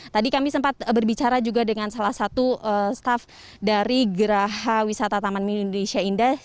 tadi kami sempat berbicara juga dengan salah satu staff dari geraha wisata taman mini indonesia indah